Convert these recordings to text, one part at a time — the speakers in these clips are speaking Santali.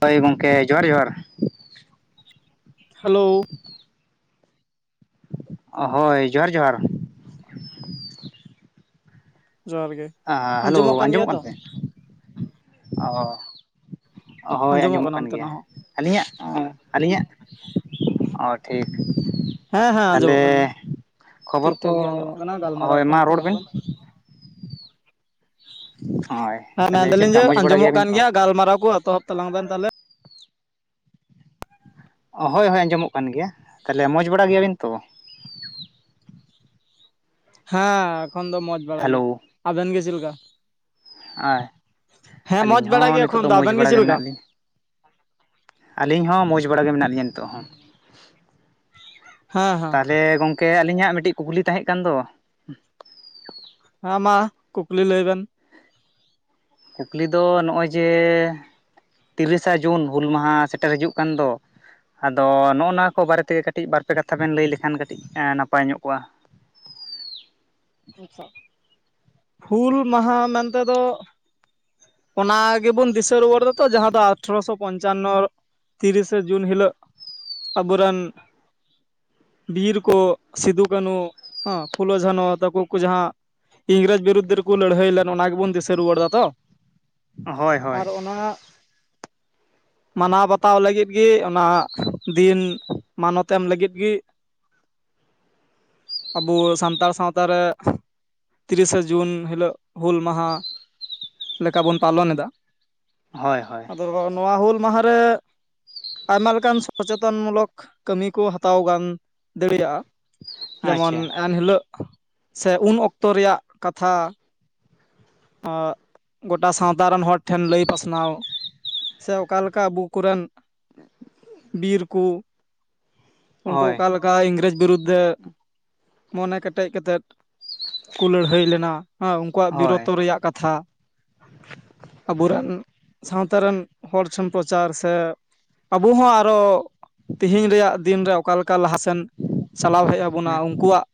ᱦᱳᱭ ᱜᱚᱢᱠᱮ ᱡᱚᱦᱟᱨ ᱡᱚᱦᱟᱨ ᱦᱮᱞᱚ ᱦᱚᱭ ᱡᱚᱦᱟᱨ ᱡᱚᱦᱟᱨ ᱡᱚᱦᱟᱨ ᱜᱮ ᱦᱮᱞᱚ ᱟᱸᱡᱚᱢᱚᱜ ᱠᱟᱱ ᱛᱮ ᱚ ᱦᱚᱭ ᱟᱸᱡᱚᱢᱚᱜ ᱠᱟᱱᱟ ᱠᱟᱱ ᱜᱮᱭᱟ ᱚᱱᱛᱮᱱᱟᱜ ᱦᱚᱸ ᱟᱹᱞᱤᱧᱟᱜ ᱟᱹᱞᱤᱧᱟᱜ ᱚ ᱴᱷᱤᱠ ᱦᱮᱸ ᱦᱮᱸ ᱟᱸᱡᱚᱢᱚᱜ ᱛᱟᱦᱚᱞᱮ ᱠᱟᱱ ᱜᱮᱭᱟ ᱠᱷᱚᱵᱚᱨ ᱴᱷᱤᱠ ᱠᱚ ᱴᱷᱟᱠ ᱜᱮ ᱟᱸᱡᱚᱢᱚᱜ ᱠᱟᱱᱟ ᱜᱟᱞᱢᱟᱨᱟᱣ ᱦᱚᱭ ᱢᱟ ᱮᱛᱚᱦᱚᱵ ᱨᱚᱲ ᱛᱟᱞᱟᱝ ᱵᱤᱱ ᱵᱮᱱ ᱦᱳᱭ ᱦᱮᱸ ᱛᱟᱦᱚᱞᱮ ᱢᱮᱱᱫᱟ ᱪᱮᱫ ᱞᱤᱧ ᱞᱮᱠᱟ ᱡᱮ ᱢᱚᱡᱽ ᱵᱟᱲᱟ ᱟᱸᱡᱚᱢᱚᱜ ᱜᱮᱭᱟᱵᱤᱱ ᱠᱟᱱ ᱛᱚ ᱜᱮᱭᱟ ᱜᱟᱞᱢᱟᱨᱟᱣ ᱠᱚ ᱮᱛᱚᱦᱚᱵ ᱛᱟᱞᱟᱝ ᱵᱮᱱ ᱛᱟᱦᱞᱮ ᱦᱳᱭ ᱦᱳᱭ ᱟᱸᱡᱚᱢᱚᱜ ᱠᱟᱱ ᱜᱮᱭᱟ ᱛᱟᱦᱚᱞᱮ ᱢᱚᱡᱽ ᱵᱟᱲᱟ ᱜᱮᱭᱟ ᱵᱤᱱ ᱛᱚ ᱦᱮᱸ ᱮᱠᱷᱚᱱ ᱫᱚ ᱢᱚᱸᱡᱽ ᱵᱟᱲᱟ ᱜᱮ ᱦᱮᱞᱳ ᱟᱵᱮᱱ ᱜᱮ ᱪᱮᱫ ᱞᱮᱠᱟ ᱦᱮᱸ ᱢᱚᱡᱽ ᱟᱹᱞᱤᱧ ᱵᱟᱲᱟ ᱦᱚᱸ ᱜᱮ ᱱᱤᱛᱚᱜ ᱮᱠᱷᱚᱱ ᱫᱚ ᱢᱚᱡᱽ ᱟᱵᱮᱱ ᱜᱮ ᱵᱟᱲᱟ ᱪᱮᱫ ᱞᱮᱠᱟ ᱢᱮᱱᱟᱜ ᱞᱤᱧ ᱟᱹᱞᱤᱧ ᱦᱚᱸ ᱢᱚᱡᱽ ᱵᱟᱲᱟ ᱜᱮ ᱢᱮᱱᱟᱜ ᱞᱤᱧᱟ ᱱᱤᱛᱚᱜ ᱦᱚᱸ ᱦᱮᱸ ᱦᱮᱸ ᱛᱟᱦᱚᱞᱮ ᱜᱚᱢᱠᱮ ᱟᱹᱞᱤᱧᱟᱜ ᱢᱤᱫᱴᱤᱡ ᱠᱩᱠᱞᱤ ᱛᱟᱦᱮᱸ ᱠᱟᱱ ᱫᱚ ᱦᱮᱸ ᱢᱟ ᱠᱩᱠᱞᱤ ᱞᱟᱹᱭ ᱵᱮᱱ ᱠᱩᱠᱞᱤ ᱫᱚ ᱱᱚᱜᱼᱚᱭ ᱡᱮ ᱛᱤᱨᱤᱥᱟ ᱡᱩᱱ ᱦᱩᱞ ᱢᱟᱦᱟ ᱥᱮᱴᱮᱨ ᱦᱤᱡᱩᱜ ᱠᱟᱱ ᱫᱚ ᱟᱫᱚ ᱱᱚᱜ ᱱᱚᱣᱟ ᱠᱚ ᱵᱟᱨᱮ ᱛᱮᱜᱮ ᱠᱟᱹᱴᱤᱡ ᱵᱟᱨ ᱯᱮ ᱠᱟᱛᱷᱟ ᱵᱮᱱ ᱞᱟᱹᱭ ᱞᱮᱠᱷᱟᱱ ᱠᱟᱹᱴᱤᱡ ᱱᱟᱯᱟᱭ ᱧᱚᱜ ᱠᱚᱜᱼᱟ ᱟᱪᱪᱷᱟ ᱦᱩᱞ ᱢᱟᱦᱟ ᱢᱮᱱ ᱛᱮ ᱫᱚ ᱚᱱᱟ ᱜᱮᱵᱚᱱ ᱫᱤᱥᱟᱹ ᱨᱩᱣᱟᱹᱲ ᱡᱟᱦᱟᱸ ᱫᱚ ᱟᱴᱷᱨᱚ ᱥᱚ ᱯᱚᱧᱪᱟᱱᱱᱚ ᱛᱤᱨᱤᱥᱮ ᱡᱩᱱ ᱦᱤᱞᱚᱜ ᱟᱵᱚ ᱨᱮᱱ ᱵᱤᱨ ᱠᱚ ᱥᱤᱫᱩ ᱠᱟᱹᱱᱦᱩ ᱦᱟᱸ ᱯᱷᱩᱞᱚ ᱡᱷᱟᱱᱚ ᱛᱟ ᱩᱱᱠᱩ ᱠᱚ ᱡᱟᱦᱟᱸ ᱤᱝᱨᱮᱡᱽ ᱵᱤᱨᱩᱫᱽ ᱨᱮᱠᱚ ᱞᱟᱹᱲᱦᱟᱹᱭ ᱞᱮᱫ ᱚᱱᱟ ᱜᱮᱵᱚᱱ ᱫᱤᱥᱟᱹ ᱨᱩᱣᱟᱹᱲ ᱮᱫᱟ ᱛᱚ ᱦᱳᱭ ᱦᱳᱭ ᱟᱨ ᱚᱱᱟ ᱢᱟᱱᱟᱣ ᱵᱟᱛᱟᱣ ᱞᱟᱹᱜᱤᱫ ᱜᱮ ᱚᱱᱟ ᱫᱤᱱ ᱢᱟᱱᱚᱛ ᱮᱢ ᱞᱟᱹᱜᱤᱫ ᱜᱮ ᱟᱵᱚ ᱥᱟᱱᱛᱟᱲ ᱥᱟᱶᱛᱟ ᱞᱟᱛᱟᱨ ᱨᱮ ᱛᱤᱨᱤᱥᱮ ᱡᱩᱱ ᱦᱤᱞᱚᱜ ᱦᱩᱞ ᱢᱟᱦᱟ ᱞᱮᱠᱟ ᱵᱚᱱ ᱯᱟᱞᱚᱱ ᱮᱫᱟ ᱦᱳᱭ ᱦᱳᱭ ᱟᱫᱚ ᱱᱚᱣᱟ ᱦᱩᱞ ᱢᱟᱦᱟ ᱨᱮ ᱟᱭᱢᱟ ᱞᱮᱠᱟᱱ ᱥᱚᱪᱮᱛᱚᱱ ᱢᱩᱞᱚᱠ ᱠᱟᱹᱢᱤ ᱠᱚ ᱦᱟᱛᱟᱣ ᱜᱟᱱ ᱫᱟᱲᱮᱭᱟᱜᱼᱟ ᱡᱮᱢᱚᱱ ᱟᱪᱪᱷᱟ ᱮᱱᱦᱤᱞᱚᱜ ᱥᱮ ᱩᱱ ᱚᱠᱛᱚ ᱨᱮᱭᱟᱜ ᱠᱟᱛᱷᱟ ᱟᱸ ᱜᱚᱴᱟ ᱥᱟᱶᱛᱟ ᱨᱮᱱ ᱦᱚᱲ ᱴᱷᱮᱱ ᱞᱟᱹᱭ ᱯᱟᱥᱱᱟᱣ ᱥᱮ ᱚᱠᱟ ᱞᱮᱠᱟ ᱟᱵᱚ ᱠᱚᱨᱮᱱ ᱵᱤᱨ ᱠᱚ ᱩᱱᱠᱩ ᱦᱳᱭ ᱚᱠᱟ ᱞᱮᱠᱟ ᱤᱝᱨᱮᱡᱽ ᱵᱤᱨᱩᱫᱽ ᱨᱮ ᱢᱚᱱᱮ ᱠᱮᱴᱮᱡ ᱠᱟᱛᱮᱫ ᱠᱚ ᱞᱟᱹᱲᱦᱟᱹᱭ ᱞᱮᱱᱟ ᱦᱮᱸ ᱩᱱᱠᱩᱣᱟᱜ ᱦᱳᱭ ᱵᱤᱨᱚᱛᱚ ᱨᱮᱭᱟᱜ ᱠᱟᱛᱷᱟ᱾ ᱟᱵᱚ ᱨᱮᱱ ᱥᱟᱶᱛᱟ ᱨᱮᱱ ᱦᱚᱲ ᱴᱷᱮᱱ ᱯᱨᱚᱪᱟᱨ ᱥᱮ ᱟᱵᱚ ᱦᱚᱸ ᱟᱨᱚ ᱛᱮᱦᱤᱧ ᱨᱮᱭᱟᱜ ᱫᱤᱱ ᱨᱮ ᱚᱠᱟ ᱞᱮᱠᱟ ᱞᱟᱦᱟ ᱥᱮᱱ ᱪᱟᱞᱟᱣ ᱦᱮᱡ ᱵᱚᱱᱟ ᱩᱱᱠᱩᱣᱟᱜ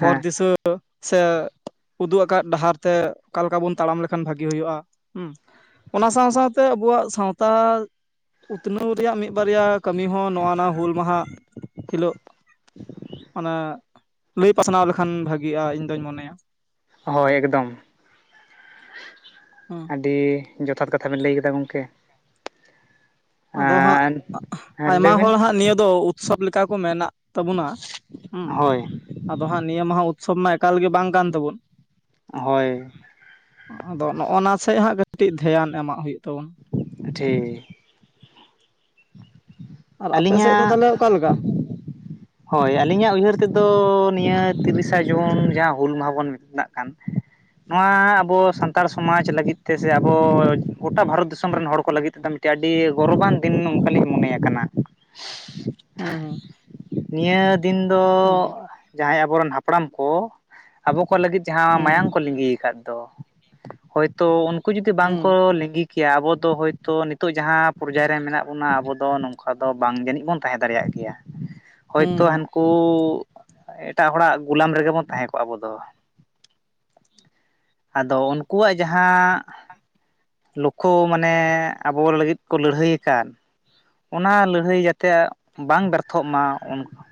ᱦᱚᱨ ᱫᱤᱥᱟᱹ ᱥᱮ ᱩᱫᱩᱜ ᱟᱠᱟᱫ ᱰᱟᱦᱟᱨ ᱛᱮ ᱚᱠᱟ ᱞᱮᱠᱟ ᱵᱚᱱ ᱛᱟᱲᱟᱢ ᱞᱮᱠᱷᱟᱱ ᱵᱷᱟᱹᱜᱤ ᱦᱩᱭᱩᱜᱼᱟ ᱦᱩᱸ᱾ ᱚᱱᱟ ᱥᱟᱶ ᱥᱟᱶᱛᱮ ᱟᱵᱚᱣᱟᱜ ᱥᱟᱶᱛᱟ ᱩᱛᱱᱟᱹᱣ ᱨᱮᱭᱟᱜ ᱢᱤᱫ ᱵᱟᱨᱭᱟ ᱠᱟᱹᱢᱤ ᱦᱚᱸ ᱱᱚᱣᱟ ᱱᱟ ᱦᱩᱞ ᱢᱟᱦᱟ ᱦᱤᱞᱚᱜ ᱚᱱᱟ ᱞᱟᱹᱭ ᱯᱟᱥᱱᱟᱣ ᱞᱮᱠᱷᱟᱱ ᱵᱷᱟᱜᱤᱜᱼᱟ ᱤᱧ ᱫᱩᱧ ᱢᱚᱱᱮᱭᱟ ᱾ ᱦᱚᱭ ᱮᱠᱫᱚᱢ ᱾ ᱦᱩᱸ ᱟᱹᱰᱤ ᱡᱚᱛᱷᱟᱛ ᱠᱟᱛᱷᱟ ᱵᱮᱱ ᱞᱟᱹᱭ ᱠᱮᱫᱟ ᱜᱚᱢᱠᱮ ᱾ ᱟᱫᱚ ᱦᱟᱸᱜ ᱦᱮᱸ ᱞᱟᱹᱭ ᱟᱭᱢᱟ ᱵᱤᱱ ᱦᱚᱲ ᱦᱟᱸᱜ ᱱᱤᱭᱟᱹ ᱫᱚ ᱩᱛᱥᱚᱵᱽ ᱞᱮᱠᱟ ᱠᱚ ᱢᱮᱱᱟᱜ ᱛᱟᱵᱚᱱᱟ ᱦᱮᱸ ᱦᱚᱭ ᱟᱫᱚ ᱦᱟᱸᱜ ᱱᱤᱭᱟᱹ ᱢᱟᱦᱟ ᱩᱛᱥᱚᱵ ᱢᱟ ᱮᱠᱟᱞ ᱜᱮ ᱵᱟᱝ ᱠᱟᱱ ᱛᱟᱵᱚᱱ᱾ ᱦᱳᱭ ᱟᱫᱚ ᱱᱚᱜᱚᱱᱟ ᱥᱮᱡ ᱦᱟᱸᱜ ᱠᱟᱹᱴᱤᱡ ᱫᱷᱮᱭᱟᱱ ᱮᱢᱟᱜ ᱦᱩᱭᱩᱜ ᱛᱟᱵᱚᱱᱟ ᱾ ᱴᱷᱤ ᱟᱨ ᱟᱯᱮ ᱥᱮᱫ ᱫᱚ ᱟᱞᱤᱧᱟᱜ ᱛᱟᱦᱚᱞᱮ ᱚᱠᱟ ᱞᱮᱠᱟ ᱦᱚᱭ ᱟᱹᱞᱤᱧᱟᱜ ᱩᱭᱦᱟᱹᱨ ᱛᱮᱫᱚ ᱱᱤᱭᱟᱹ ᱛᱤᱨᱤᱥᱟ ᱡᱩᱱ ᱡᱟᱦᱟᱸ ᱦᱩᱞ ᱢᱟᱦᱟ ᱵᱚᱱ ᱢᱮᱛᱟᱜ ᱠᱟᱱ ᱾ ᱱᱚᱣᱟ ᱟᱵᱚ ᱥᱟᱱᱛᱟᱲ ᱥᱚᱢᱟᱡᱽ ᱞᱟᱹᱜᱤᱫ ᱛᱮ ᱥᱮ ᱟᱵᱚ ᱜᱚᱴᱟ ᱵᱷᱟᱨᱚᱛ ᱫᱤᱥᱚᱢ ᱨᱮᱱ ᱦᱚᱲ ᱠᱚ ᱞᱟᱹᱜᱤᱫ ᱛᱮᱫᱚ ᱢᱤᱫ ᱟᱹᱰᱤ ᱜᱚᱨᱚᱵᱟᱱ ᱫᱤᱱ ᱱᱚᱝᱠᱟᱞᱤᱧ ᱢᱚᱱᱮ ᱟᱠᱟᱱᱟ ᱾ [unintelligible] ᱦᱩᱸ ᱦᱩᱸ ᱱᱤᱭᱟᱹ ᱫᱤᱱ ᱫᱚ ᱡᱟᱦᱟᱸᱭ ᱟᱵᱚᱨᱮᱱ ᱦᱟᱯᱲᱟᱢ ᱠᱚ ᱟᱵᱚ ᱠᱚ ᱞᱟᱹᱜᱤᱫ ᱡᱟᱦᱟᱸ ᱦᱩᱸ ᱢᱟᱭᱟᱢ ᱠᱚ ᱞᱤᱸᱡᱤ ᱟᱠᱟᱫ ᱫᱚ ᱦᱚᱭᱛᱚ ᱩᱱᱠᱩ ᱡᱩᱫᱤ ᱵᱟᱝ ᱦᱩᱸ ᱠᱚ ᱞᱤᱸᱡᱤ ᱠᱤ ᱟᱵᱚᱫᱚ ᱦᱚᱭᱛᱚ ᱱᱤᱛᱚᱜ ᱡᱟᱦᱟᱸ ᱯᱚᱨᱡᱟᱭ ᱨᱮ ᱢᱮᱱᱟᱜ ᱵᱚᱱᱟ ᱟᱵᱚ ᱫᱚ ᱱᱚᱝ ᱟᱫᱚ ᱵᱟᱝ ᱡᱟᱹᱱᱤᱡ ᱵᱚᱱ ᱛᱟᱦᱮᱸ ᱫᱟᱲᱮᱭᱟᱜ ᱜᱮᱭᱟ ᱦᱩᱸ ᱦᱚᱭᱛᱚ ᱦᱩᱸ ᱠᱩ ᱮᱴᱟᱜ ᱦᱚᱲᱟᱜ ᱜᱩᱞᱟᱢ ᱨᱮᱜᱮ ᱵᱚᱱ ᱛᱟᱦᱮᱸ ᱠᱚᱜᱼᱟ ᱟᱵᱚ ᱫᱚ ᱾ ᱟᱫᱚ ᱩᱱᱠᱩᱣᱟᱜ ᱡᱟᱦᱟᱸ ᱞᱩᱠᱷᱩ ᱢᱟᱱᱮ ᱟᱵᱚ ᱞᱟᱹᱜᱤᱫ ᱠᱚ ᱞᱟᱹᱲᱦᱟᱹᱭ ᱟᱠᱟᱫ ᱚᱱᱟ ᱞᱟᱹᱲᱦᱟᱹᱭ ᱡᱟᱛᱮ ᱵᱟᱝ ᱵᱮᱨᱛᱷᱚᱜ ᱢᱟ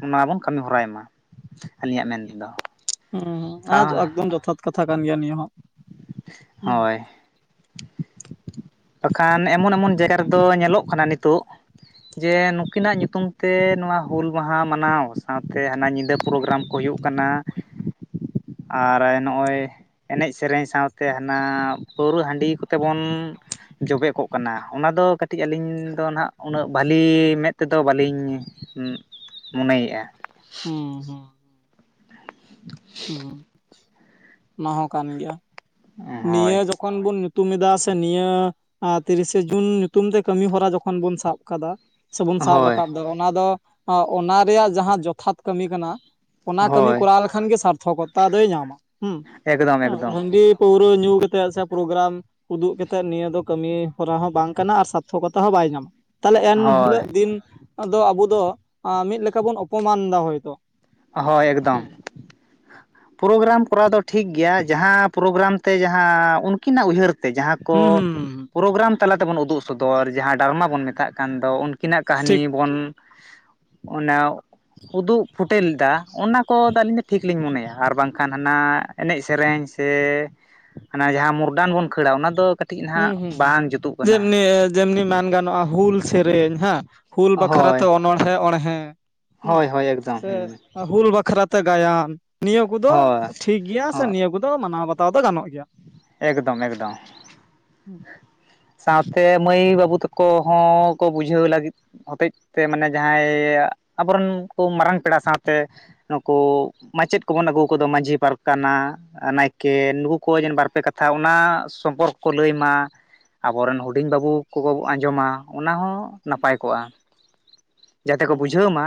ᱚᱱᱟ ᱵᱚᱱ ᱠᱟᱹᱢᱤ ᱦᱚᱨᱟᱭ ᱢᱟ ᱾ ᱟᱹᱞᱤᱧᱟᱜ ᱢᱮᱱ ᱦᱩᱸ ᱟᱨ ᱠᱟ ᱮᱠᱫᱚᱢ ᱡᱚᱛᱷᱟᱛ ᱠᱟᱛᱷᱟ ᱠᱟᱱ ᱜᱮᱭᱟ ᱱᱤᱭᱟᱹ ᱦᱚᱸ᱾ ᱦᱩᱸ ᱦᱳᱭ᱾ ᱵᱟᱠᱷᱟᱱ ᱮᱢᱚᱱ ᱮᱢᱚᱱ ᱡᱟᱭᱜᱟ ᱨᱮᱫᱚ ᱧᱮᱞᱚᱜ ᱠᱟᱱᱟ ᱱᱤᱛᱚᱜ ᱡᱮ ᱱᱩᱠᱤᱱᱟᱜ ᱧᱩᱛᱩᱢ ᱛᱮ ᱱᱚᱣᱟ ᱦᱩᱞ ᱢᱟᱦᱟ ᱢᱟᱱᱟᱣ, ᱥᱟᱶᱛᱮ ᱦᱟᱱᱟ ᱧᱤᱫᱟᱹ ᱯᱨᱳᱜᱨᱟᱢ ᱦᱩᱭᱩᱜ ᱠᱟᱱᱟ᱾ ᱟᱨ ᱱᱚᱜᱼᱚᱭ ᱮᱱᱮᱡ ᱥᱮᱨᱮᱧ ᱥᱟᱶᱛᱮ ᱦᱟᱱᱟ ᱯᱟᱹᱣᱟᱹ, ᱦᱟᱺᱰᱤ ᱠᱚᱛᱮ ᱵᱚᱱ ᱡᱚᱵᱮ ᱠᱚᱜ ᱠᱟᱱᱟ᱾ ᱚᱱᱟ ᱫᱚ ᱠᱟᱹᱴᱤᱡ ᱟᱹᱞᱤᱧ ᱫᱚ ᱱᱟᱦᱟᱜ ᱩᱱᱟᱹᱜ ᱵᱟᱹᱞᱤ ᱢᱮᱫ ᱛᱮᱫᱚ ᱵᱟᱹᱞᱤᱧ ᱢᱚᱱᱮᱭᱮᱫ-ᱟ᱾ ᱦᱩᱸ ᱦᱩᱸ᱾ ᱦᱩᱸ ᱚᱱᱟ ᱦᱚᱸ ᱠᱟᱱ ᱜᱮᱭᱟ ᱦᱳᱭ ᱱᱤᱭᱟᱹ ᱡᱚᱠᱷᱚᱱ ᱵᱚᱱ ᱧᱩᱛᱩᱢ ᱮᱫᱟ ᱥᱮ ᱱᱤᱭᱟᱹ ᱛᱤᱨᱤᱥᱮ ᱡᱩᱱ ᱧᱩᱛᱩᱢ ᱛᱮ ᱠᱟᱹᱢᱤ ᱦᱚᱨᱟ ᱡᱚᱠᱷᱚᱱ ᱵᱩᱱ ᱥᱟᱵ ᱟᱠᱟᱫᱟ᱾ ᱥᱮᱵᱚᱱ ᱥᱟᱵ ᱦᱳᱭ ᱨᱟᱠᱟᱵ ᱮᱫᱟ᱾ ᱚᱱᱟ ᱫᱚ ᱚᱱᱟ ᱨᱮᱭᱟᱜ ᱡᱟᱦᱟᱸ ᱡᱚᱛᱷᱟᱛ ᱠᱟᱹᱢᱤ ᱠᱟᱱᱟ᱾ ᱚᱱᱟ ᱠᱟᱹᱢᱤ ᱦᱳᱭ ᱠᱚᱨᱟᱣ ᱞᱮᱠᱷᱟᱱ ᱜᱮ ᱥᱟᱨᱛᱷᱚᱠᱚᱛᱟ ᱫᱚᱭ ᱧᱟᱢᱟ, ᱦᱩᱸ ᱮᱠᱫᱚᱢ ᱮᱠᱫᱚᱢ ᱦᱟᱺᱰᱤ ᱯᱟᱹᱣᱨᱟᱹ ᱧᱩᱛᱮᱫ ᱥᱮ ᱯᱨᱳᱜᱨᱟᱢ ᱩᱫᱩᱜ ᱠᱟᱛᱮᱫ ᱱᱤᱭᱟᱹ ᱫᱚ ᱠᱟᱹᱢᱤ ᱦᱚᱨᱟ ᱦᱚᱸ ᱵᱟᱝ ᱠᱟᱱᱟ ᱟᱨ ᱥᱟᱛᱷᱚᱠᱚᱛᱟ ᱦᱚᱸ ᱵᱟᱭ ᱧᱟᱢᱟ᱾ ᱛᱟᱦᱞᱮ ᱦᱳᱭ ᱮᱱᱦᱤᱞᱳᱜ ᱫᱤᱱ ᱫᱚ ᱟᱵᱚ ᱫᱚ ᱢᱤᱫ ᱞᱮᱠᱟ ᱵᱚᱱ ᱚᱯᱚᱢᱟᱱ ᱮᱫᱟ, ᱦᱳᱭᱛᱳ᱾ ᱦᱳᱭ ᱮᱠᱫᱚᱢ᱾ ᱯᱨᱳᱜᱨᱟᱢ ᱠᱚᱨᱟᱣ ᱫᱚ ᱴᱷᱤᱠ ᱜᱮᱭᱟ, ᱡᱟᱦᱟᱸ ᱯᱨᱳᱜᱨᱟᱢ ᱛᱮ ᱡᱟᱦᱟᱸ ᱩᱱᱠᱤᱱᱟᱜ ᱩᱭᱦᱟᱹᱨ ᱡᱟᱦᱟᱸ ᱦᱩᱸ ᱠᱚ ᱦᱩᱸ ᱯᱨᱳᱜᱨᱟᱢ ᱛᱟᱞᱟ ᱛᱮᱵᱚᱱ ᱩᱫᱩᱜ ᱥᱚᱫᱚᱨ, ᱡᱟᱦᱟᱸ ᱰᱨᱟᱢᱟ ᱵᱚᱱ ᱢᱮᱛᱟᱜ ᱠᱟᱱ ᱫᱚ ᱩᱱᱠᱩ ᱩᱱᱠᱤᱱᱟᱜ ᱴᱷᱤᱠ ᱠᱟᱹᱦᱱᱤ ᱵᱚᱱ ᱚᱱᱟ ᱩᱫᱩᱜ ᱯᱷᱩᱴ ᱢᱮᱞ ᱮᱫᱟ᱾ ᱚᱱᱟ ᱠᱚᱫᱚ ᱟᱹᱞᱤᱧ ᱫᱚ ᱴᱷᱤᱠ ᱞᱤᱧ ᱢᱚᱱᱮᱭᱟ ᱟᱨ ᱵᱟᱝᱠᱷᱟᱱ ᱦᱟᱱᱟ ᱮᱱᱮᱡ ᱥᱮᱨᱮᱧ ᱥᱮ ᱚᱱᱟ ᱡᱟᱦᱟᱸ ᱢᱚᱨᱰᱟᱱ ᱵᱚᱱ ᱠᱷᱟᱹᱲᱟ ᱚᱱᱟ ᱫᱚ ᱠᱟᱹᱴᱤᱡ ᱠᱟᱹᱴᱤᱡ ᱱᱟᱦᱟᱜ ᱦᱩᱸ ᱦᱩᱸ ᱵᱟᱝ ᱡᱩᱛᱩᱜ ᱠᱟᱱᱟ᱾ ᱡᱮᱢᱱᱤ ᱡᱮᱢᱱᱤ ᱢᱮᱱ ᱜᱟᱱᱚᱜᱼᱟ, ᱦᱩᱞ ᱥᱮᱨᱮᱧ ᱦᱮᱸ ᱦᱩᱞ ᱵᱟᱠᱷᱨᱟ ᱦᱳᱭ ᱛᱮ ᱚᱱᱚᱦᱮ ᱦᱮᱸ ᱦᱳᱭ ᱦᱳᱭ ᱮᱠᱫᱚᱢ ᱥᱮ ᱦᱩᱞ ᱵᱟᱠᱷᱨᱟ ᱛᱮ ᱜᱟᱭᱟᱱ-ᱼ ᱱᱤᱭᱟᱹ ᱠᱚᱫᱚ ᱦᱳᱭ ᱴᱷᱤᱠ ᱜᱮᱭᱟ ᱥᱮ ᱦᱳᱭ ᱱᱤᱭᱟᱹ ᱠᱚᱫᱚ ᱢᱟᱱᱟᱣ ᱵᱟᱛᱟᱣ ᱫᱚ ᱜᱟᱱᱚᱜ ᱜᱮᱭᱟ᱾ ᱮᱠᱫᱚᱢ ᱮᱠᱫᱚᱢ᱾ ᱦᱩᱸ [unintelligible] ᱥᱟᱶᱛᱮ ᱢᱟᱹᱭ ᱵᱟᱹᱵᱩ ᱛᱟᱠᱚ ᱦᱚᱸ ᱠᱚ ᱵᱩᱡᱷᱟᱹᱣ ᱞᱟᱹᱜᱤᱫ ᱦᱚᱛᱮᱡ ᱛᱮ ᱢᱟᱱᱮ ᱡᱟᱦᱟᱸᱭ ᱟᱵᱚᱨᱮᱱ ᱠᱚ ᱢᱟᱨᱟᱝ ᱯᱮᱲᱟ ᱥᱟᱶᱛᱮ ᱱᱩᱠᱩ ᱢᱟᱪᱮᱫ ᱠᱚᱵᱚᱱ ᱟᱹᱜᱩ ᱠᱚᱫᱚ ᱢᱟᱹᱡᱷᱤ ᱯᱟᱨᱜᱟᱱᱟ ᱱᱟᱭᱠᱮ ᱱᱩᱠᱩ ᱠᱚ ᱡᱮᱱᱮ ᱵᱟᱨᱯᱮ ᱠᱟᱛᱷᱟ ᱚᱱᱟ ᱥᱚᱢᱯᱚᱨᱠᱚ ᱠᱚ ᱞᱟᱹᱭ ᱢᱟ ᱟᱵᱚᱨᱮᱱ ᱦᱩᱰᱤᱧ ᱵᱟᱹᱵᱩ ᱠᱚᱠᱚ ᱟᱸᱡᱚᱢᱟ ᱚᱱᱟ ᱦᱚᱸ ᱱᱟᱯᱟᱭ ᱠᱚᱜᱼᱟ᱾ ᱡᱟᱛᱮ ᱠᱚ ᱦᱮᱸ ᱵᱩᱡᱷᱟᱹᱣ ᱢᱟ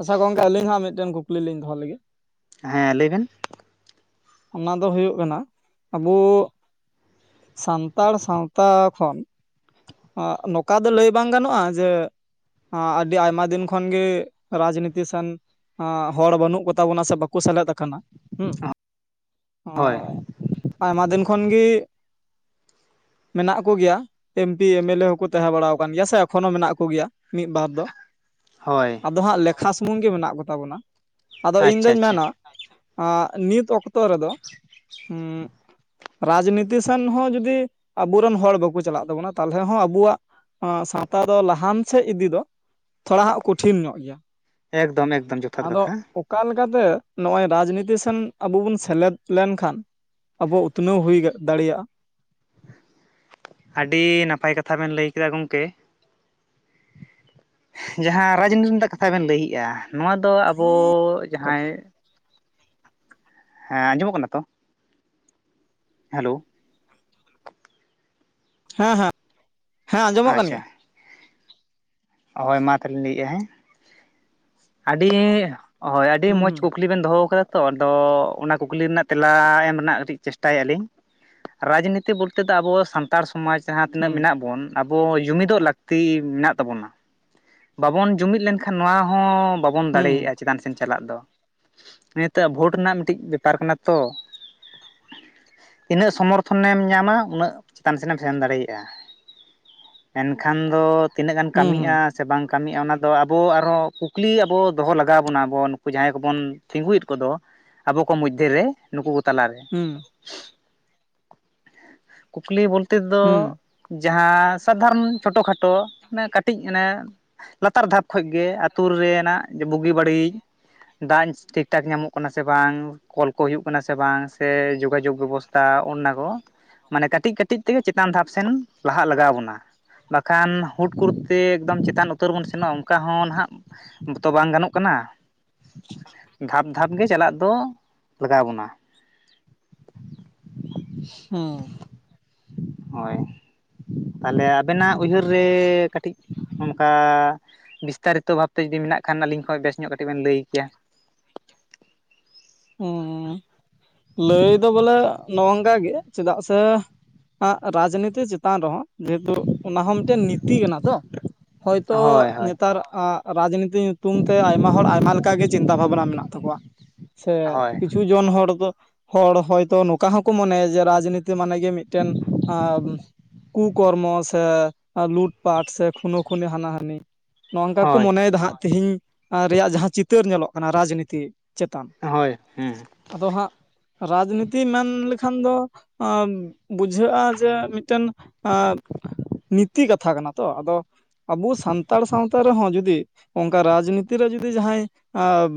ᱟᱪᱪᱷᱟ ᱜᱚᱢᱠᱮ ᱟᱹᱞᱤᱧ ᱦᱟᱸ ᱢᱤᱫᱴᱮᱱ ᱠᱩᱠᱞᱤᱧ ᱫᱚᱦᱚ ᱞᱟᱹᱜᱤᱫ᱾ ᱦᱮᱸ ᱞᱟᱹᱭ ᱵᱮᱱ᱾ ᱚᱱᱟ ᱫᱚ ᱦᱩᱭᱩᱜ ᱠᱟᱱᱟ ᱟᱵᱩ ᱥᱟᱱᱛᱟᱲ ᱥᱟᱶᱛᱟ ᱠᱷᱚᱱ ᱱᱚᱝᱠᱟ ᱫᱚ ᱞᱟᱹᱭ ᱵᱟᱝ ᱜᱟᱱᱚᱜᱼᱟ ᱡᱮ ᱟᱹᱰᱤ ᱟᱭᱢᱟ ᱫᱤᱱ ᱠᱷᱚᱱᱜᱤ ᱨᱟᱡᱽᱱᱤᱛᱤ ᱥᱮᱱ ᱦᱚᱲ ᱵᱟᱹᱱᱩᱜ ᱠᱚᱛᱟ ᱵᱚᱱᱟ ᱥᱮ ᱵᱟᱠᱚ ᱥᱮᱞᱮᱫ ᱟᱠᱟᱱᱟ᱾ ᱚ ᱦᱳᱭ ᱟᱭᱢᱟ ᱫᱤᱱ ᱠᱷᱚᱱ ᱜᱮ ᱢᱮᱱᱟᱜ ᱠᱚᱜᱮᱭᱟ᱾ ᱮᱢ ᱯᱤ ᱮᱢᱮᱞᱮ ᱦᱚᱸᱠᱚ ᱛᱟᱦᱮᱸ ᱵᱟᱲᱟ ᱟᱠᱟᱱ ᱜᱮᱭᱟ ᱥᱮ ᱮᱠᱷᱚᱱ ᱦᱚᱸ ᱢᱮᱱᱟᱜ ᱠᱚ ᱜᱮᱭᱟ ᱢᱤᱫ ᱵᱟᱨ ᱫᱚ᱾ ᱦᱳᱭ᱾ ᱟᱫᱚ ᱦᱟᱸᱜ ᱞᱮᱠᱷᱟ ᱥᱩᱢᱩᱝ ᱜᱮ ᱢᱮᱱᱟᱜ ᱠᱚᱛᱟ ᱵᱚᱱᱟ, ᱟᱫᱚ ᱤᱧ ᱫᱩᱧ ᱟᱪᱪᱷᱟ ᱟᱪᱪᱷᱟ ᱢᱮᱱᱟ ᱱᱤᱛ ᱚᱛᱠᱛᱚ ᱨᱮᱫᱚ ᱦᱩᱸ ᱨᱟᱡᱽᱱᱤᱛᱤ ᱥᱮᱱ ᱦᱚᱸ ᱡᱩᱫᱤ ᱟᱵᱚᱨᱮᱱ ᱦᱚᱲ ᱵᱟᱠᱚ ᱪᱟᱞᱟᱜ ᱛᱟᱵᱚᱱᱟ᱾ ᱛᱟᱦᱚᱞᱮ ᱦᱚᱸ ᱟᱵᱚᱣᱟᱜ ᱥᱟᱶᱛᱟ ᱫᱚ ᱞᱟᱦᱟᱱ ᱥᱮᱫ ᱤᱫᱤ ᱫᱚ ᱛᱷᱚᱲᱟ ᱦᱟᱸᱜ ᱠᱚᱴᱷᱤᱱ ᱧᱚᱜ ᱜᱮᱭᱟ᱾ ᱮᱠᱫᱚᱢ ᱮᱠᱫᱚᱢ ᱡᱚᱛᱷᱟᱛ ᱟᱫᱚ ᱠᱟᱛᱷᱟ᱾ ᱚᱠᱟ ᱞᱮᱠᱟᱛᱮ ᱱᱚᱜᱼᱚᱭ ᱨᱟᱡᱽᱱᱤᱛᱤ ᱥᱮᱱ ᱟᱵᱚ ᱵᱚᱱ ᱥᱮᱞᱮᱫ ᱞᱮᱱᱠᱷᱟᱱ ᱟᱵᱚᱣᱟᱜ ᱩᱛᱱᱟᱹᱣ ᱦᱩᱭ ᱫᱟᱲᱮᱭᱟᱜᱼᱟ᱾ ᱟᱹᱰᱤ ᱱᱟᱯᱟᱭ ᱠᱟᱛᱷᱟ ᱵᱮᱱ ᱞᱟᱹᱭ ᱠᱮᱫᱟ ᱜᱚᱢᱠᱮ, ᱡᱟᱦᱟᱸ ᱨᱟᱡᱽᱱᱤᱛᱤ ᱨᱮᱱᱟᱜ ᱠᱟᱛᱷᱟ ᱵᱮᱱ ᱞᱟᱹᱭᱮᱜᱼᱟ ᱱᱚᱣᱟ ᱫᱚ ᱟᱵᱚ ᱡᱟᱦᱟᱸᱭ ᱦᱮᱸ ᱟᱸᱡᱚᱢᱚᱜ ᱠᱟᱱᱟ ᱛᱚ? ᱦᱮᱞᱳ ᱦᱮᱸ ᱦᱮᱸ ᱦᱮᱸ ᱟᱸᱡᱚᱢᱚᱜ ᱠᱟᱱ ᱟᱪᱪᱷᱟ ᱜᱮᱭᱟ᱾ ᱦᱳᱭ ᱢᱟ ᱛᱟᱦᱚᱞᱮᱧ ᱞᱟᱹᱭᱮᱜᱼᱟ ᱦᱮᱸ, ᱟᱹᱰᱤ ᱦᱳᱭ ᱟᱹᱰᱤ ᱢᱚᱸᱡᱽ ᱦᱩᱸ ᱠᱩᱠᱞᱤ ᱠᱩᱠᱞᱤ ᱵᱮᱱ ᱫᱚᱦᱚ ᱠᱟᱫᱟ ᱛᱚ ᱟᱫᱚ ᱚᱱᱟ ᱠᱩᱠᱞᱤ ᱨᱮᱱᱟᱜ ᱛᱮᱞᱟ ᱮᱢ ᱨᱮᱱᱟᱜ ᱠᱟᱹᱴᱤᱡ ᱪᱮᱥᱴᱟᱭ ᱟᱞᱤᱧ ᱨᱟᱡᱽᱱᱤᱛᱤ ᱵᱚᱞᱛᱮ ᱫᱚ ᱟᱵᱚ ᱥᱟᱱᱛᱟᱲ ᱥᱟᱱᱛᱟᱲ ᱥᱚᱢᱟᱡᱽ ᱡᱟᱦᱟᱸ ᱛᱤᱱᱟᱹᱜ ᱦᱩᱸ ᱢᱮᱱᱟᱜ ᱵᱚᱱ ᱟᱵᱚ ᱡᱩᱢᱤᱫᱚᱜ ᱞᱟᱹᱠᱛᱤ ᱢᱮᱱᱟᱜ ᱛᱟᱵᱚᱱᱟ, ᱵᱟᱵᱚᱱ ᱡᱩᱢᱤᱫ ᱞᱮᱱᱠᱷᱟᱱ ᱱᱚᱣᱟ ᱦᱚᱸ ᱵᱟᱵᱚᱱ ᱦᱩᱸ ᱫᱟᱲᱮᱭᱟᱜᱼᱟ ᱪᱮᱛᱟᱱ ᱥᱮᱫ ᱪᱟᱞᱟᱜ ᱫᱚ, ᱱᱤᱛᱚᱜ ᱵᱷᱳᱴ ᱨᱮᱱᱟᱜ ᱢᱤᱫᱴᱤᱡ ᱵᱮᱯᱟᱨ ᱠᱟᱱᱟ ᱛᱚ‌, ᱛᱤᱱᱟᱹᱜ ᱥᱚᱢᱚᱨᱛᱷᱚᱱᱮᱢ ᱧᱟᱢᱟ ᱩᱱᱟᱹᱜ ᱪᱮᱛᱟᱱ ᱥᱮᱱᱮᱢ ᱥᱮᱱ ᱫᱟᱲᱮᱭᱟᱜᱼᱟ᱾ ᱢᱮᱱᱠᱷᱟᱱ ᱫᱚ ᱛᱤᱱᱟᱹᱜ ᱜᱟᱱ ᱦᱩᱸ ᱠᱟᱹᱢᱤ ᱦᱩᱸ ᱦᱩᱸ ᱥᱮ ᱵᱟᱝ ᱠᱟᱹᱢᱤᱜᱼᱟ ᱚᱱᱟ ᱫᱚ ᱟᱵᱚ ᱟᱨᱦᱚᱸ ᱠᱩᱠᱞᱤ ᱟᱵᱚ ᱫᱚᱦᱚ ᱞᱟᱜᱟᱣ ᱵᱚᱱᱟ ᱟᱵᱚ ᱱᱩᱠᱩ ᱡᱟᱦᱟᱸᱭ ᱠᱚᱵᱚᱱ ᱛᱤᱸᱜᱩᱭᱮᱫ ᱠᱚᱫᱚ ᱟᱵᱚ ᱠᱚ ᱢᱚᱫᱽᱫᱷᱮᱨᱮ ᱱᱩᱠᱩ ᱠᱚ ᱛᱟᱞᱟᱨᱮ᱾ ᱦᱩᱸ ᱠᱩᱠᱞᱤ ᱵᱚᱞᱛᱮᱫ ᱦᱩᱸ ᱫᱚ ᱡᱟᱦᱟᱸ ᱥᱟᱫᱷᱟᱨᱚᱱ ᱪᱷᱳᱴᱳ ᱠᱷᱟᱴᱳ ᱠᱟᱹᱴᱤᱡ ᱠᱟᱹᱴᱤᱡ ᱚᱱᱮ ᱞᱟᱛᱟᱨ ᱫᱷᱟᱯ ᱠᱷᱚᱱᱚ ᱜᱮ ᱟᱹᱛᱩ ᱨᱮᱱᱟᱜ ᱵᱩᱜᱤ ᱵᱟᱹᱲᱤᱡ ᱫᱟᱜ ᱴᱷᱤᱠ ᱴᱷᱟᱠ ᱧᱟᱢᱚᱜ ᱠᱟᱱᱟ ᱥᱮ ᱵᱟᱝ ᱠᱚᱞ ᱠᱚ ᱦᱩᱭᱩᱜ ᱠᱟᱱᱟ ᱥᱮ ᱵᱟᱝ ᱥᱮ ᱡᱳᱜᱟᱡᱳᱜᱽ ᱵᱮᱵᱚᱥᱛᱟ ᱚᱱᱱᱟ ᱠᱚ ᱢᱟᱱᱮ ᱠᱟᱹᱴᱤᱡ ᱠᱟᱹᱴᱤᱡ ᱛᱮᱜᱮ ᱪᱮᱛᱟᱱ ᱫᱷᱟᱯ ᱥᱮᱱ ᱞᱟᱦᱟᱜ ᱞᱟᱜᱟᱣ ᱵᱚᱱᱟ ᱵᱟᱠᱷᱟᱱ ᱦᱩᱴᱠᱩᱨᱮ ᱥᱮ ᱮᱠᱫᱚᱢ ᱪᱮᱛᱟᱱ ᱩᱛᱟᱹᱨ ᱵᱚᱱ ᱥᱮᱱᱚᱜᱼᱟ ᱚᱱᱠᱟ ᱦᱚᱸ ᱱᱟᱦᱟᱜ ᱛᱚ ᱵᱟᱝ ᱜᱟᱱᱚᱜ ᱠᱟᱱᱟ᱾ ᱫᱷᱟᱯ ᱫᱷᱟᱯ ᱜᱮ ᱪᱟᱞᱟᱜ ᱫᱚ ᱞᱟᱜᱟᱣ ᱵᱚᱱᱟ᱾ [unintelligible] ᱦᱩᱸ ᱦᱳᱭ ᱛᱟᱦᱞᱮ ᱟᱵᱮᱱᱟᱜ ᱩᱭᱦᱟᱹᱨ ᱨᱮ ᱠᱟᱹᱴᱤᱡ ᱚᱱᱠᱟ ᱵᱤᱥᱛᱟᱨᱤᱛᱚ ᱵᱷᱟᱵᱛᱮ ᱡᱩᱫᱤ ᱢᱮᱱᱟᱜ ᱠᱷᱟᱱ ᱟᱹᱞᱤᱧ ᱠᱷᱚᱱ ᱵᱮᱥ ᱧᱚᱜ ᱠᱟᱹᱴᱤᱡ ᱵᱮᱱ ᱞᱟᱹᱭ ᱠᱮᱭᱟ? ᱦᱩᱸᱦᱩᱸ ᱞᱟᱹᱭ ᱫᱚ ᱵᱚᱞᱮ ᱱᱚᱝ ᱱᱚᱝᱠᱟ ᱜᱮ ᱪᱮᱫᱟᱜ ᱥᱮ ᱨᱟᱡᱽᱱᱤᱛᱤ ᱪᱮᱛᱟᱱ ᱨᱮᱦᱚᱸ ᱡᱮᱦᱮᱛᱩ ᱚᱱᱟ ᱦᱚᱸ ᱢᱤᱫᱴᱮᱱ ᱱᱤᱛᱤ ᱠᱟᱱᱟ ᱛᱚ ᱦᱚᱭᱛᱚ ᱦᱳᱭ ᱦᱳᱭ ᱱᱮᱛᱟᱨ ᱟᱜ ᱨᱟᱡᱽᱱᱤᱛᱤ ᱧᱩᱛᱩᱢ ᱛᱮ ᱟᱭᱢᱟ ᱦᱚᱲ ᱟᱭᱢᱟ ᱞᱮᱠᱟ ᱜᱮ ᱪᱤᱱᱛᱟ ᱵᱷᱟᱵᱽᱱᱟ ᱢᱮᱱᱟᱜ ᱛᱟᱠᱚᱣᱟ᱾ ᱥᱮ ᱦᱳᱭ ᱠᱤᱪᱷᱩ ᱡᱚᱱ ᱦᱚᱲ ᱫᱚ ᱦᱟᱲ ᱦᱚᱭᱛᱚ ᱱᱚᱝᱠᱟ ᱦᱚᱸᱠᱚ ᱢᱚᱱᱮᱭᱟ ᱡᱮ ᱨᱟᱡᱽ- ᱱᱤᱛᱤ ᱢᱟᱱᱮ ᱜᱮ ᱢᱤᱫᱴᱮᱱ- ᱠᱩ-ᱠᱚᱨᱢᱚ ᱥᱮ ᱞᱩᱴ ᱯᱟᱴ ᱥᱮ ᱠᱷᱩᱱᱟᱹ ᱠᱷᱩᱱᱤ ᱦᱟᱱᱟ ᱦᱟᱱᱤ, ᱱᱚᱝᱠᱟ ᱠᱚ ᱦᱳᱭ ᱢᱚᱱᱮᱭᱫᱟ ᱦᱟᱸᱜ ᱛᱤᱦᱤᱧ ᱨᱮᱭᱟᱜ ᱡᱟᱦᱟ ᱪᱤᱛᱟᱹᱨ ᱧᱮᱞᱚᱜ ᱠᱟᱱᱟ ᱨᱟᱡᱽᱱᱤᱛᱤ ᱪᱮᱛᱟᱱ᱾ ᱦᱳᱭ ᱦᱮᱸ ᱟᱫᱚ ᱦᱟᱸᱜ ᱨᱟᱡᱽᱱᱤᱛᱤ ᱢᱮᱱ ᱞᱮᱠᱷᱟᱱ ᱫᱚ ᱟᱸ ᱵᱩᱡᱷᱟᱹᱜᱼᱟ ᱡᱮ ᱢᱤᱫᱴᱮᱱ ᱟᱸ ᱱᱤᱛᱤ ᱠᱟᱛᱷᱟ ᱠᱟᱱᱟ ᱛᱚ ᱟᱫᱚ ᱟᱵᱚ ᱥᱟᱱᱛᱟᱲ ᱥᱟᱶᱛᱟ ᱨᱮᱦᱚᱸ ᱡᱩᱫᱤ ᱚᱱᱠᱟ ᱨᱟᱡᱽᱱᱤᱛᱤ ᱨᱮ ᱡᱩᱫᱤ ᱡᱟᱦᱟᱸᱭ ᱟᱸ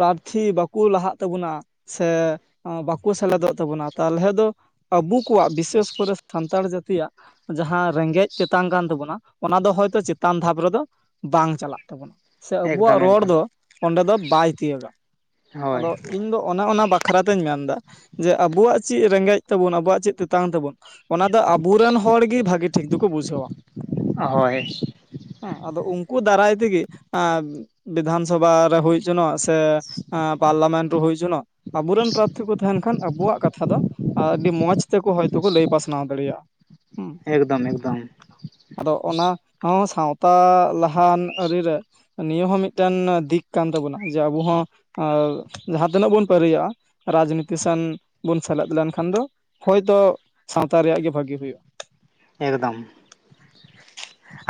ᱯᱟᱨᱛᱷᱤ ᱵᱟᱠᱚ ᱞᱟᱦᱟᱜ ᱛᱟᱵᱚᱱᱟ ᱥᱮ ᱵᱟᱠᱚ ᱥᱮᱞᱮᱫᱚᱜ ᱛᱟᱵᱚᱱᱟ ᱛᱟᱞᱚᱦᱮ ᱫᱚ ᱟᱵᱩ ᱠᱚᱣᱟᱜ ᱵᱤᱥᱮᱥ ᱠᱚᱨᱮ ᱥᱟᱱᱛᱟᱲ ᱡᱟᱹᱛᱤᱭᱟᱜ ᱡᱟᱦᱟᱸ ᱨᱮᱸᱜᱮᱡ ᱛᱮᱛᱟᱝ ᱠᱟᱱ ᱛᱟᱵᱚᱱᱟ ᱚᱱᱟ ᱫᱚ ᱦᱚᱭᱛᱚ ᱪᱮᱛᱟᱱ ᱫᱷᱟᱯ ᱨᱮᱫᱚ ᱵᱟᱝ ᱪᱟᱞᱟᱜ ᱛᱟᱵᱚᱱᱟ ᱥᱮ ᱟᱵᱚᱣᱟᱜ ᱮᱠᱫᱚᱢ ᱨᱚᱲ ᱮᱠᱫᱚᱢ ᱫᱚ ᱚᱸᱰᱮ ᱫᱚ ᱵᱟᱭ ᱛᱤᱭᱟᱹᱜᱟ ᱦᱳᱭ ᱟᱫᱚ ᱤᱧ ᱫᱚ ᱚᱱᱟ ᱚᱱᱟ ᱵᱟ- ᱵᱟᱠᱷᱨᱟ ᱛᱮᱧ ᱢᱮᱱ-ᱫᱟ ᱡᱮ ᱟᱵᱩᱣᱟᱜ ᱪᱮᱫ ᱨᱮᱸᱜᱮᱡ ᱛᱟᱵᱩᱱ ᱟᱵᱩᱣᱟᱜ ᱪᱮᱫ ᱛᱮᱛᱟᱝ ᱛᱟᱵᱩᱱ ᱚᱱᱟ ᱫᱚ ᱟᱵᱚᱨᱮᱱ ᱦᱚᱲ ᱜᱮ ᱵᱷᱟᱜᱤ ᱴᱷᱤᱠ ᱫᱚᱠᱚ ᱵᱩᱡᱷᱟᱹᱣᱟ ᱦᱳᱭ ᱦᱮᱸ ᱟᱫᱚ ᱩᱱᱠᱩ ᱫᱟᱨᱟᱭ ᱛᱮᱜᱮ ᱟᱸ ᱵᱤᱫᱷᱟᱱ ᱥᱚᱵᱷᱟ ᱨᱮ ᱦᱩᱭ ᱦᱚᱪᱚᱱᱚᱜ ᱥᱮ ᱯᱟᱨᱞᱟᱢᱮᱱᱴ ᱨᱮ ᱦᱩᱭ ᱦᱚᱪᱚᱱᱚᱜ ᱟᱵᱩᱨᱮᱱ ᱯᱨᱟᱛᱷᱤ ᱠᱚ ᱛᱟᱦᱮᱱ ᱠᱷᱟᱱ ᱟᱵᱩᱣᱟᱜ ᱠᱟᱛᱷᱟ ᱫᱚ ᱟᱹᱰᱤ ᱢᱚᱡᱽ ᱛᱮᱠᱚ ᱦᱚᱭᱛᱚ ᱠᱚ ᱞᱟᱹᱭ ᱯᱟᱥᱱᱟᱣ ᱫᱟᱲᱮᱭᱟᱜᱼᱟ ᱾ ᱦᱩᱸ ᱮᱠᱫᱚᱢ ᱮᱠᱫᱚᱢ ᱟᱫᱚ ᱚᱱᱟ ᱦᱚᱸ ᱥᱟᱶᱛᱟ ᱞᱟᱦᱟᱱ ᱟᱹᱨᱤ ᱨᱮ ᱱᱤᱭᱟᱹ ᱦᱚᱸ ᱢᱤᱫᱴᱟᱱ ᱫᱤᱠ ᱠᱟᱱ ᱛᱟᱵᱚᱱᱟ ᱡᱮ ᱟᱵᱚ ᱦᱚᱸ ᱟᱸ ᱡᱟᱦᱟ ᱛᱤᱱᱟᱹᱜ ᱵᱚᱱ ᱯᱟᱨᱤᱭᱟᱜᱼᱟ ᱨᱟᱡᱽᱱᱤᱛᱤ ᱥᱮᱱ ᱵᱚᱱ ᱥᱮᱞᱮᱫ ᱞᱮᱱᱠᱷᱟᱱ ᱫᱚ ᱦᱚᱭᱛᱚ ᱥᱟᱶᱛᱟ ᱨᱮᱭᱟᱜ ᱜᱮ ᱵᱷᱟᱹᱜᱤ ᱦᱩᱭᱩᱜᱼᱟ ᱾ ᱮᱠᱫᱚᱢ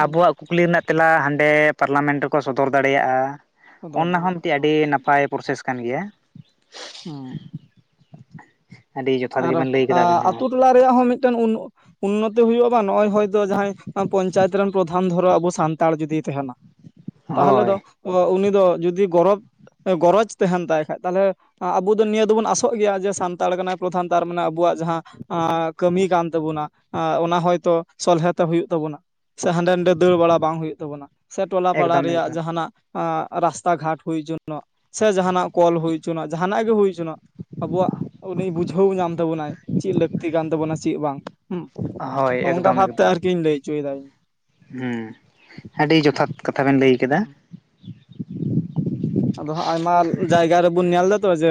ᱟᱵᱚᱣᱟᱜ ᱠᱩᱠᱞᱤ ᱨᱮᱱᱟᱜ ᱛᱮᱞᱟ ᱦᱟᱸᱰᱮ ᱯᱟᱨᱞᱟᱢᱮᱱᱴ ᱨᱮᱠᱚ ᱥᱚᱫᱚᱨ ᱫᱟᱲᱮᱭᱟᱜᱼᱟ ᱫᱚᱦᱚ ᱚᱱᱟ ᱦᱚᱸ ᱫᱟᱲᱮᱭᱟᱜᱼᱟ ᱢᱤᱫᱴᱤᱡ ᱟᱹᱰᱤ ᱱᱟᱯᱟᱭ ᱯᱨᱚᱥᱮᱥ ᱠᱟᱱ ᱜᱮᱭᱟ ᱾ ᱦᱮᱸ ᱟᱹᱰᱤ ᱡᱚᱛᱷᱟᱛ ᱟᱨ ᱜᱮᱵᱮᱱ ᱞᱟᱹᱭ ᱠᱮᱫᱟ ᱟᱵᱮᱱ ᱦᱚᱸ ᱟᱛᱩ ᱴᱚᱞᱟ ᱨᱮᱭᱟᱜ ᱦᱚᱸ ᱢᱤᱫᱴᱮᱱ ᱩᱱ ᱩᱱᱱᱚᱛᱤ ᱦᱩᱭᱩᱜᱼᱟ ᱵᱟᱝ ᱱᱚᱜᱼᱚᱭ ᱦᱚᱭᱛᱚ ᱡᱟᱸᱦᱟᱭ ᱯᱚᱧᱪᱟᱭᱤᱛ ᱨᱮᱱ ᱯᱨᱚᱫᱷᱟᱱ ᱫᱷᱚᱨᱚ ᱟᱵᱚ ᱥᱟᱱᱛᱟᱲ ᱡᱩᱫᱤ ᱛᱟᱦᱮᱱᱟ ᱛᱟᱦᱚᱞᱮ ᱦᱳᱭ ᱫᱚ ᱩᱱᱤ ᱫᱚ ᱡᱩᱫᱤ ᱜᱚᱨᱚᱵᱽ ᱜᱚᱨᱚᱡᱽ ᱛᱟᱦᱮᱱ ᱛᱟᱭ ᱠᱷᱟᱡ ᱛᱟᱦᱞᱮ ᱟᱵᱚ ᱫᱚ ᱱᱤᱭᱟᱹ ᱫᱚᱵᱚᱱ ᱟᱥᱚᱜ ᱜᱮᱭᱟ ᱡᱮ ᱥᱟᱱᱛᱟᱲ ᱠᱟᱱᱟᱭ ᱯᱨᱚᱫᱷᱟᱱ ᱛᱟᱨ ᱢᱟᱱᱮ ᱟᱵᱚᱣᱟᱜ ᱡᱟᱦᱟᱸ ᱟᱸ ᱠᱟᱹᱢᱤ ᱠᱟᱱ ᱛᱟᱵᱚᱱᱟ ᱟᱸ ᱚᱱᱟ ᱦᱚᱭᱛᱚ ᱥᱚᱞᱦᱮᱛᱮ ᱦᱩᱭᱩᱜ ᱛᱟᱵᱚᱱᱟ ᱾ ᱥᱮ ᱦᱟᱸᱰᱮ ᱱᱟᱰᱮ ᱫᱟᱹᱲ ᱵᱟᱲᱟ ᱵᱟᱝ ᱦᱩᱭᱩᱜ ᱛᱟᱵᱚᱱᱟ ᱥᱮ ᱴᱚᱞᱟ ᱯᱟᱲᱟ ᱮᱠᱫᱚᱢ ᱨᱮᱭᱟᱜ ᱮᱠᱫᱚᱢ ᱡᱟᱦᱟᱱᱟᱜ ᱟᱸ ᱨᱟᱥᱛᱟ ᱜᱷᱟᱴ ᱦᱩᱭ ᱦᱚᱪᱚᱱᱚᱜ ᱥᱮ ᱡᱟᱦᱟᱱᱟᱜ ᱠᱚᱞ ᱦᱩᱭ ᱦᱚᱪᱚᱱᱚᱜ ᱡᱟᱦᱟᱱᱟᱜ ᱜᱮ ᱦᱩᱭ ᱦᱚᱪᱚᱱᱚᱜ ᱟᱵᱚᱣᱟᱜ ᱩᱱᱤ ᱵᱩᱡᱷᱟᱹᱣ ᱧᱟᱢ ᱛᱟᱵᱚᱱᱟᱭ ᱪᱮᱫ ᱞᱟᱹᱠᱛᱤ ᱠᱟᱱ ᱛᱟᱵᱚᱱᱟ ᱪᱮᱫ ᱵᱟᱝ ᱦᱳᱭ ᱾ ᱦᱩᱸ ᱝᱠᱟ ᱵᱷᱟᱛᱮ ᱟᱨᱠᱤᱧ ᱞᱟᱹᱭ ᱦᱚᱪᱚᱭ ᱫᱟ ᱤᱧ ᱾ ᱦᱩᱸ ᱟᱹᱰᱤ ᱡᱚᱛᱷᱟᱛ ᱠᱟᱛᱷᱟ ᱵᱤᱱ ᱞᱟᱹᱭ ᱦᱩᱸ ᱠᱮᱫᱟ ᱟᱫᱚ ᱦᱟᱸᱜ ᱟᱭᱢᱟ ᱡᱟᱭᱜᱟ ᱨᱮᱵᱚᱱ ᱧᱮᱞ ᱫᱟᱛᱚ ᱡᱮ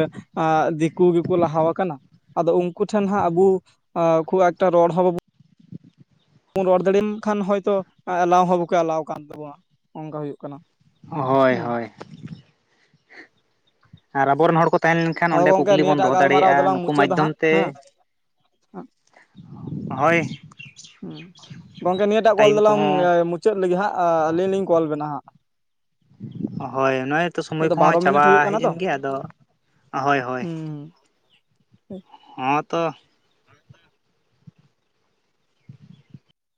ᱫᱤᱠᱩ ᱜᱮᱠᱚ ᱞᱟᱦᱟᱣ ᱠᱟᱱᱟ ᱾ ᱟᱫᱚ ᱩᱱᱠᱩ ᱴᱷᱮᱱ ᱦᱟᱸᱜ ᱟᱵᱩ ᱠᱷᱩᱵ ᱮᱠᱴᱟ ᱨᱚᱲ ᱦᱚᱸ ᱵᱟᱵᱚ ᱵᱟᱵᱚᱱ ᱨᱚᱲ ᱫᱟᱲᱮᱭᱟᱜ ᱠᱷᱟᱱ ᱦᱚᱭᱛ ᱮᱞᱟᱣ ᱦᱚᱸ ᱵᱟᱠᱚ ᱮᱞᱟᱣ ᱟᱠᱟᱜ ᱛᱟᱵᱚᱱᱟ ᱚᱝᱠᱟ ᱦᱩᱭᱩᱜ ᱠᱟᱱᱟ ᱾ ᱦᱚᱭ ᱦᱚᱭ ᱟᱨ ᱟᱵᱚ ᱨᱮᱱ ᱦᱚᱲ ᱠᱚ ᱛᱟᱦᱮᱸ ᱞᱮᱱ ᱠᱷᱟᱱ ᱟᱫᱚ ᱚᱸᱰᱮ ᱜᱚᱝᱠᱮ ᱠᱩᱠᱞᱤ ᱵᱚᱱ ᱱᱤᱭᱟᱹᱴᱟᱜ ᱫᱚᱦᱚ ᱜᱟᱞᱢᱟᱨᱟᱣ ᱫᱟᱲᱮᱭᱟᱜᱼᱟ ᱫᱚᱞᱟᱝ ᱱᱩᱠᱩ ᱢᱩᱪᱟᱹᱫᱟ ᱢᱟᱫᱽᱫᱷᱚᱢ ᱦᱟᱸᱜ ᱛᱮ ᱦᱮᱸ ᱦᱚᱭ ᱦᱮᱸ ᱜᱚᱝᱠᱮ ᱱᱤᱭᱟᱹᱴᱟᱜ ᱠᱚᱞ ᱫᱚᱞᱟᱝ ᱠᱚᱦᱚᱸ ᱢᱩᱪᱟᱹᱫ ᱞᱮᱜᱮ ᱦᱟᱸᱜ ᱟᱹᱞᱤᱧ ᱞᱤᱧ ᱠᱚᱞ ᱵᱮᱱᱟ ᱦᱟᱸᱜ ᱾ ᱦᱚᱭ ᱱᱚᱜᱼᱚᱭ ᱛᱚ ᱥᱚᱢᱚᱭ ᱫᱚ ᱵᱟᱨᱚ ᱠᱚᱦᱚᱸ ᱢᱤᱱᱤᱴ ᱪᱟᱵᱟ ᱦᱩᱭᱩᱜ ᱠᱟᱱᱟ ᱦᱮᱡ ᱛᱚ ᱮᱱ ᱜᱮᱭᱟ ᱟᱫᱚ ᱦᱳᱭ ᱦᱩᱸ ᱦᱮᱸ ᱛᱚ